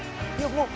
もう！